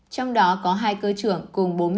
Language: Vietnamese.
trong đó có hai cơ trưởng cùng bốn mươi ba